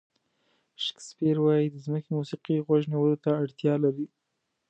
شکسپیر وایي د ځمکې موسیقي غوږ نیولو ته اړتیا لري.